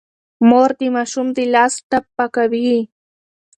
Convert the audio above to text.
مور د ماشوم د لاس ټپ پاکوي.